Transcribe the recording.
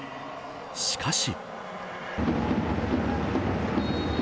しかし。